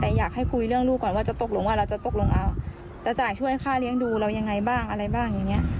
แต่อยากให้คุยเรื่องลูกก่อนว่าจะตกลงว่าเราจะตกลงเอาจะจ่ายช่วยค่าเลี้ยงดูเรายังไงบ้างอะไรบ้างอย่างนี้